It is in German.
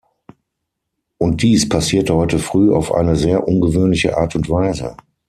Und dies passierte heute Früh auf eine sehr ungewöhnliche Art und Weise.